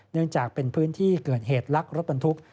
เนื่องจากเป็นพื้นที่เกิดเหตุลักษ์รถบรรทุก